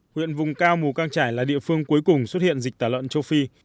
huyện vùng cao mù căng trải là địa phương cuối cùng xuất hiện dịch tả lợn châu phi